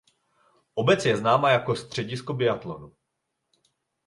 Obec je známa jako středisko biatlonu.